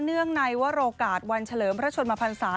เนื่องในวโอกาสวันเฉลิมพระชนมพันศา